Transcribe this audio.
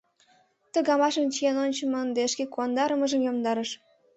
Ты гамашым чиен ончымо ынде шке куандарымыжым йомдарыш.